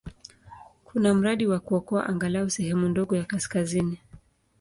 Kuna mradi wa kuokoa angalau sehemu ndogo ya kaskazini.